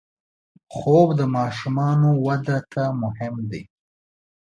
خوب د ماشومانو وده ته مهم دی